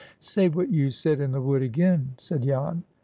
"Say what you said in the wood again," said Jan.